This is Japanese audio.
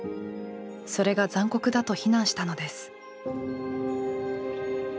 それが残酷だと非難したのです。